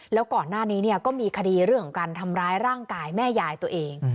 แล้วก่อนหน้านี้ก็มีคดีเรื่องของการทำร้ายร่างกายแม่ยายตัวเอง